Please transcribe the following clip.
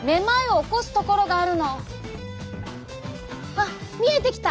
あっ見えてきた！